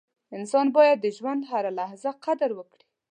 • انسان باید د ژوند هره لحظه قدر وکړي.